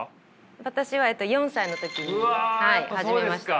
私は４歳の時に始めました。